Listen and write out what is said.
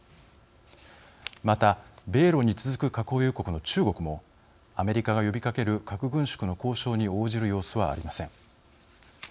また、米ロに続く核保有国の中国もアメリカが呼びかける核軍縮の交渉に応じる様子はありません。